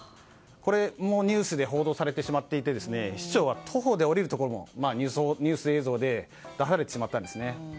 これもニュースで報道されてしまっていて市長は徒歩で降りるところもニュース映像で出されてしまったんですね。